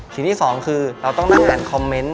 สิ่งที่สองเราต้องนั่งงานคอมเมนต์